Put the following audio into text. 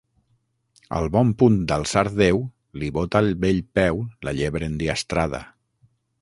Al bon punt d’alçar Déu, li bota al bell peu la llebre endiastrada.